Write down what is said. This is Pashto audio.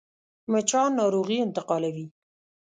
مچان ناروغي انتقالوي